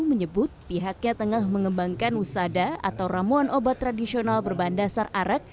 menyebut pihaknya tengah mengembangkan usada atau ramuan obat tradisional berbahan dasar arak